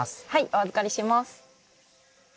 お預かりします。